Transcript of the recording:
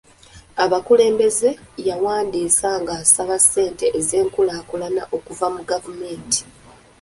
Abakulembeze yawandiise nga asaba ssente z'enkulaakulana okuva mu gavumenti.